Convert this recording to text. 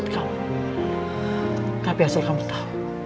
kamu tapi asal kamu tahu